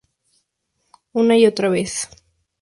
Una y otra vez.